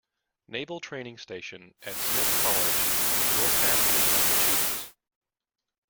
Naval Training Station at Smith College in Northampton, Massachusetts.